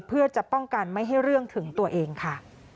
เพื่อจะป้องกันไม่ให้เรื่องถึงตัวเองค่ะ